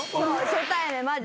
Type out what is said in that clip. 初対面マジ。